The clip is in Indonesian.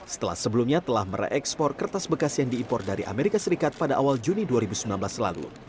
setelah sebelumnya telah mereekspor kertas bekas yang diimpor dari amerika serikat pada awal juni dua ribu sembilan belas lalu